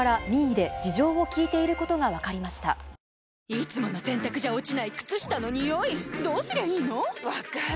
いつもの洗たくじゃ落ちない靴下のニオイどうすりゃいいの⁉分かる。